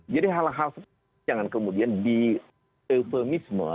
jadi hal hal seperti itu jangan kemudian di euphemisme